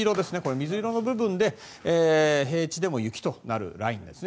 水色の部分で平地でも雪となるラインですね